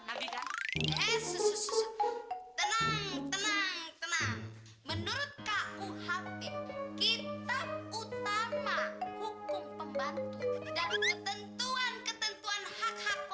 tenang tenang menurut kuhb kitab utama hukum pembantu dan ketentuan ketentuan hak hak